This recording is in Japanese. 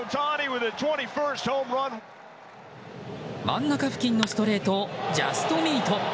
真ん中付近のストレートをジャストミート。